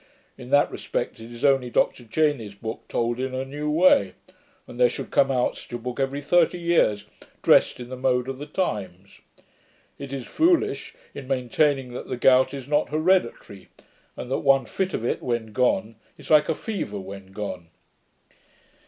In that respect it is only Dr Cheyne's book told in a new way; and there should come out such a book every thirty years, dressed in the mode of the times. It is foolish, in maintaining that the gout is not hereditary, and that one fit of it, when gone, is like a fever when gone.'